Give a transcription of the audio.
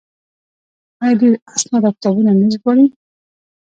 آیا دوی اسناد او کتابونه نه ژباړي؟